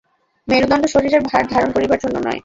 মেরুদণ্ড শরীরের ভার ধারণ করিবার জন্য নয়।